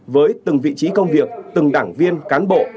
với từng vị trí công việc từng đảng viên cán bộ